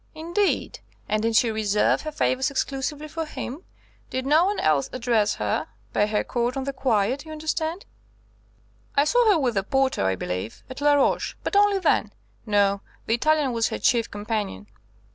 Indeed! And did she reserve her favours exclusively for him? Did no one else address her, pay her court on the quiet you understand?" "I saw her with the porter, I believe, at Laroche, but only then. No, the Italian was her chief companion."